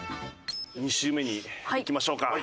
２周目にいきましょうか。